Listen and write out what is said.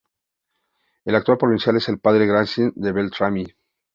El actual provincial es el Padre Graziano Beltrami.